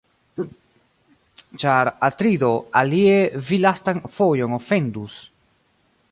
Ĉar, Atrido, alie vi lastan fojon ofendus.